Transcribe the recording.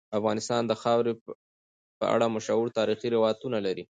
افغانستان د خاوره په اړه مشهور تاریخی روایتونه لري.